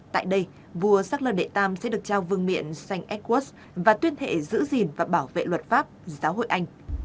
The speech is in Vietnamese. tại đây vua charles đệ tam sẽ được trao vương miện st edward s và tuyên thệ giữ gìn và bảo vệ luật pháp giáo hội anh